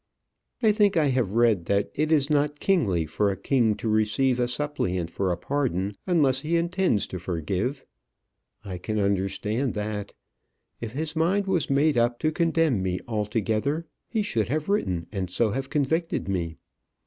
I think I have read that it is not kingly for a king to receive a suppliant for pardon unless he intends to forgive. I can understand that. If his mind was made up to condemn me altogether, he should have written and so have convicted me.